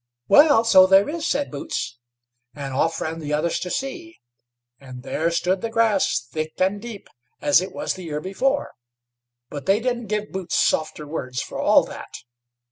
"Well, so there is," said Boots; and off ran the others to see, and there stood the grass thick and deep, as it was the year before; but they didn't give Boots softer words for all that.